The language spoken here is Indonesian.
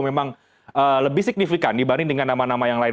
memang lebih signifikan dibanding dengan nama nama yang lain